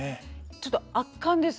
ちょっと圧巻です。